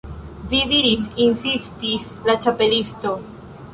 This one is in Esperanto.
"Vi diris" insistis la Ĉapelisto.